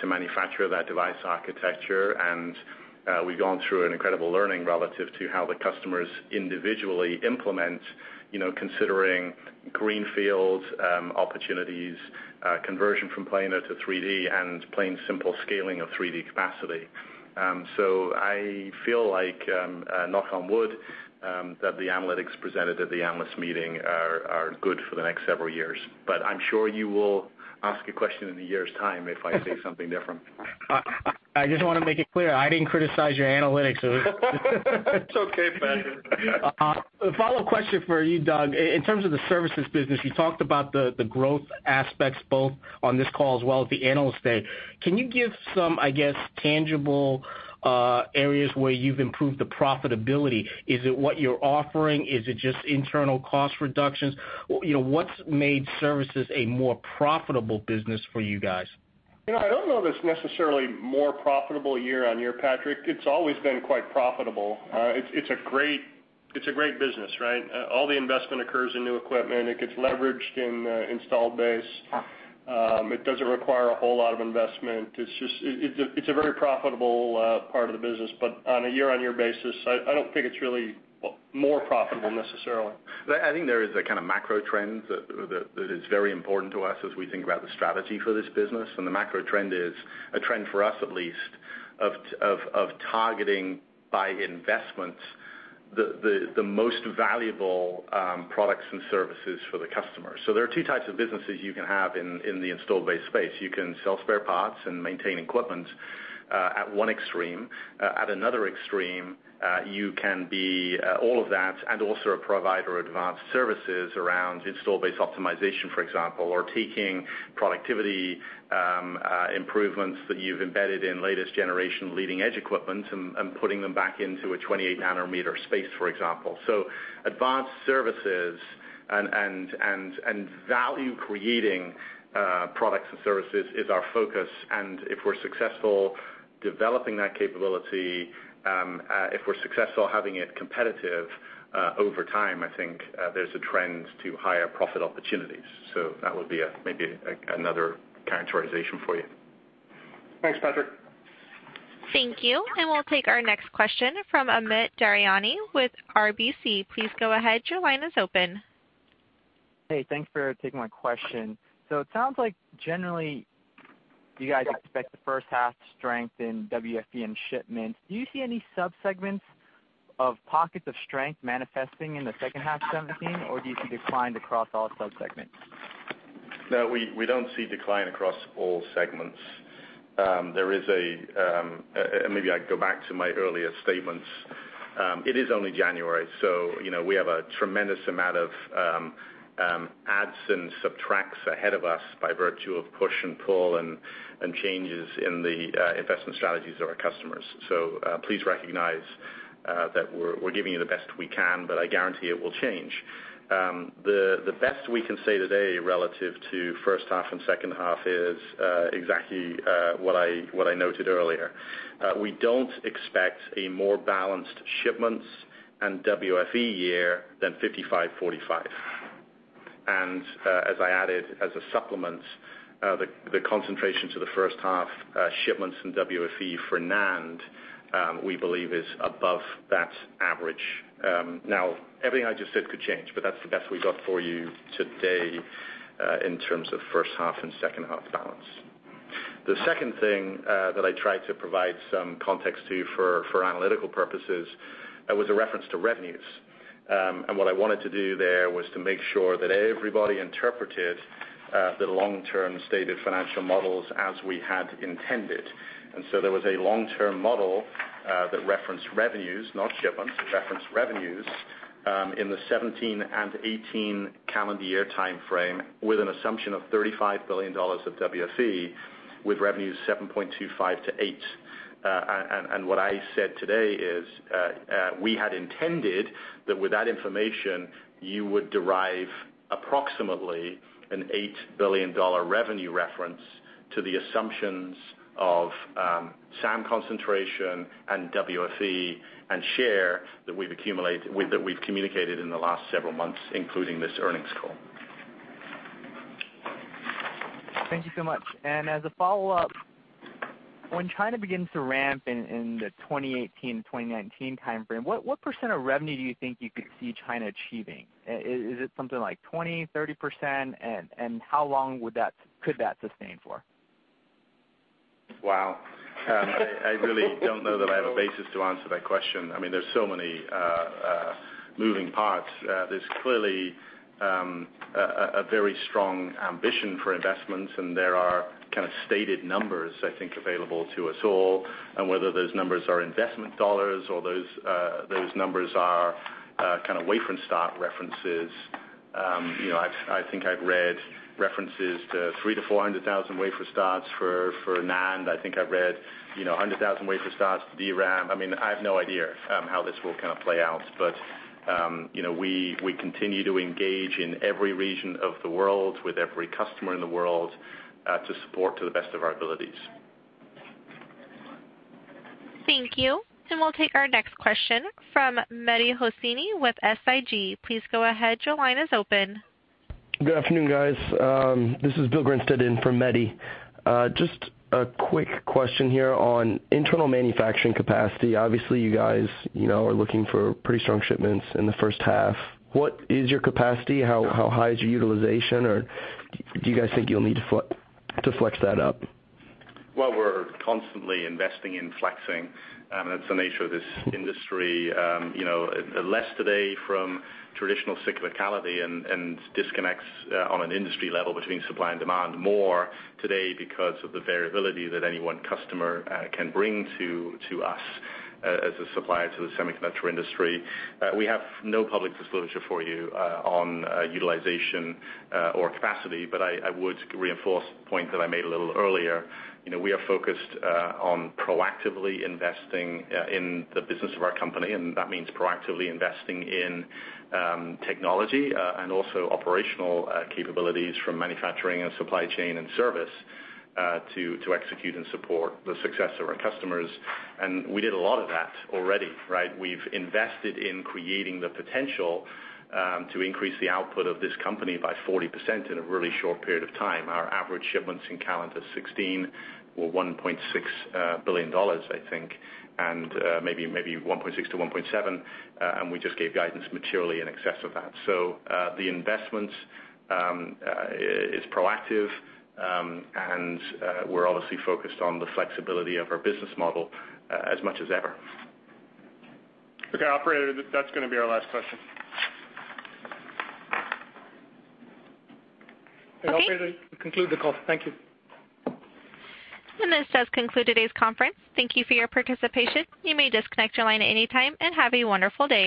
C: to manufacture that device architecture, and we've gone through an incredible learning relative to how the customers individually implement considering greenfield opportunities, conversion from planar to 3D, and plain simple scaling of 3D capacity. I feel like, knock on wood, that the analytics presented at the analyst meeting are good for the next several years. I'm sure you will ask a question in a year's time if I say something different.
N: I just want to make it clear, I didn't criticize your analytics.
C: It's okay, Patrick.
N: A follow-up question for you, Doug. In terms of the services business, you talked about the growth aspects both on this call as well at the Analyst Day. Can you give some tangible areas where you've improved the profitability? Is it what you're offering? Is it just internal cost reductions? What's made services a more profitable business for you guys?
D: I don't know if it's necessarily more profitable year-on-year, Patrick. It's always been quite profitable. It's a great business, right? All the investment occurs in new equipment. It gets leveraged in installed base. It doesn't require a whole lot of investment. It's a very profitable part of the business. On a year-on-year basis, I don't think it's really more profitable necessarily.
C: I think there is a kind of macro trend that is very important to us as we think about the strategy for this business. The macro trend is a trend for us at least, of targeting by investments, the most valuable products and services for the customer. There are 2 types of businesses you can have in the installed base space. You can sell spare parts and maintain equipment at one extreme. At another extreme, you can be all of that and also a provider of advanced services around installed base optimization, for example, or taking productivity improvements that you've embedded in latest generation leading-edge equipment and putting them back into a 28-nanometer space, for example. Advanced services and value-creating products and services is our focus, and if we're successful developing that capability, if we're successful having it competitive over time, I think there's a trend to higher profit opportunities. That would be maybe another characterization for you.
D: Thanks, Patrick.
A: Thank you. We'll take our next question from Amit Daryanani with RBC. Please go ahead. Your line is open.
O: Hey, thanks for taking my question. It sounds like generally you guys expect the first half strength in WFE and shipments. Do you see any sub-segments of pockets of strength manifesting in the second half of 2017, or do you see decline across all sub-segments?
C: No, we don't see decline across all segments. Maybe I go back to my earlier statements. It is only January. We have a tremendous amount of adds and subtracts ahead of us by virtue of push and pull and changes in the investment strategies of our customers. Please recognize that we're giving you the best we can, but I guarantee it will change. The best we can say today relative to first half and second half is exactly what I noted earlier. We don't expect a more balanced shipments and WFE year than 55/45. As I added as a supplement, the concentration to the first half shipments in WFE for NAND, we believe is above that average. Now, everything I just said could change, but that's the best we got for you today in terms of first half and second half balance. The second thing that I tried to provide some context to for analytical purposes was a reference to revenues. What I wanted to do there was to make sure that everybody interpreted the long-term stated financial models as we had intended. There was a long-term model that referenced revenues, not shipments, referenced revenues in the 2017 and 2018 calendar year timeframe with an assumption of $35 billion of WFE, with revenues $7.25 billion to $8 billion. What I said today is, we had intended that with that information, you would derive approximately an $8 billion revenue reference to the assumptions of SAM concentration and WFE and share that we've communicated in the last several months, including this earnings call.
O: Thank you so much. As a follow-up, when China begins to ramp in the 2018-2019 timeframe, what % of revenue do you think you could see China achieving? Is it something like 20%, 30%? How long could that sustain for?
C: Wow. I really don't know that I have a basis to answer that question. There's so many moving parts. There's clearly a very strong ambition for investments. There are kind of stated numbers, I think, available to us all, and whether those numbers are investment dollars or those numbers are kind of wafer start references. I think I've read references to 300,000 to 400,000 wafer starts for NAND. I think I've read 100,000 wafer starts for DRAM. I have no idea how this will kind of play out. We continue to engage in every region of the world, with every customer in the world, to support to the best of our abilities.
A: Thank you. We'll take our next question from Mehdi Hosseini with SIG. Please go ahead. Your line is open.
P: Good afternoon, guys. This is Bill Grinstead in for Mehdi. Just a quick question here on internal manufacturing capacity. Obviously, you guys are looking for pretty strong shipments in the first half. What is your capacity? How high is your utilization, or do you guys think you'll need to flex that up?
C: Well, we're constantly investing in flexing. That's the nature of this industry. Less today from traditional cyclicality and disconnects on an industry level between supply and demand, more today because of the variability that any one customer can bring to us as a supplier to the semiconductor industry. We have no public disclosure for you on utilization or capacity, but I would reinforce the point that I made a little earlier. We are focused on proactively investing in the business of our company, and that means proactively investing in technology and also operational capabilities from manufacturing and supply chain and service to execute and support the success of our customers. We did a lot of that already, right? We've invested in creating the potential to increase the output of this company by 40% in a really short period of time. Our average shipments in calendar 2016 were $1.6 billion, I think, maybe $1.6 billion-$1.7 billion. We just gave guidance materially in excess of that. The investment is proactive, and we're obviously focused on the flexibility of our business model as much as ever.
D: Okay, operator, that's going to be our last question.
A: Okay.
C: Operator, conclude the call. Thank you.
A: This does conclude today's conference. Thank you for your participation. You may disconnect your line at any time, and have a wonderful day.